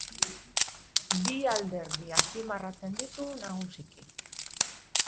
Bi alderdi azpimarratzen ditu nagusiki.